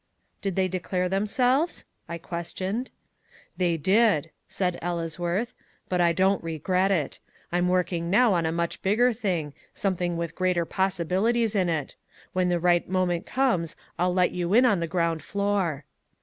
"Did they declare themselves?" I questioned. "They did," said Ellesworth, "but I don't regret it. I'm working now on a much bigger thing, something with greater possibilities in it. When the right moment comes I'll let you in on the ground floor."